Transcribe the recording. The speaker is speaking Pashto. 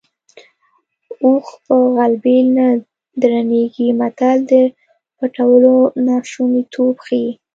اوښ په غلبېل نه درنېږي متل د پټولو ناشونیتوب ښيي